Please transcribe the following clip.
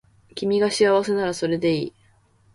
君が幸せならそれでいい